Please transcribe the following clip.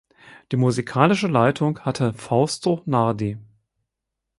Die musikalische Leitung hatte Fausto Nardi.